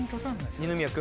二宮君？